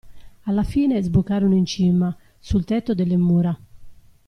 Alla fine, sbucarono in cima, sul tetto delle mura.